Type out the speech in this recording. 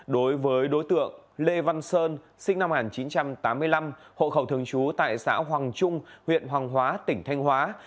đối với đối tượng lê văn sơn sinh năm một nghìn chín trăm tám mươi năm hộ khẩu thường trú tại xã hoàng trường